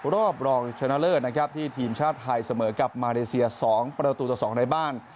รอบรองชนะเลิศนะครับที่ทีมชาติไทยเสมอกับมาเลเซีย๒ประตูต่อ๒ในบ้าน